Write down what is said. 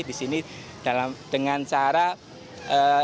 di sini dengan cara yang sangat baik kita bisa berjalan